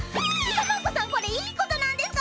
園子さんこれいいことなんですか？